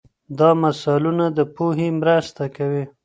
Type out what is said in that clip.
دا مثالونه د پوهې مرسته کوي.